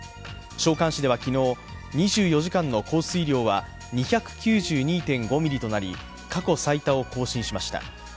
関市では昨日、２４時間の降水量は２９２．５ミリとなり、過去最多を更新しました。